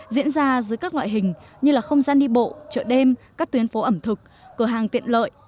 diễn ra dưới các loại hình như là không gian đi bộ chợ đêm các tuyến phố ẩm thực cửa hàng tiện lợi